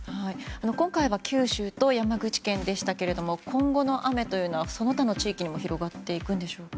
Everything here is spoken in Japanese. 今回は九州と山口県でしたけれども今後の雨というのはその他の地域にも広がっていくんでしょうか。